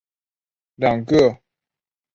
两个都将失败归咎于开放原始码社群。